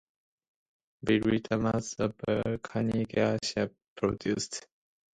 Very little amounts of volcanic ash are produced.